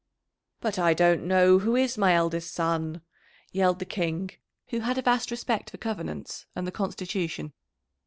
"But I don't know who is my eldest son!" yelled the King, who had a vast respect for covenants and the Constitution.